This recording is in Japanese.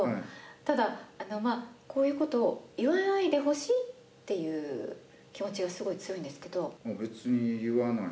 ただこういうことを言わないでほしいって気持ちがすごい強いんですけど。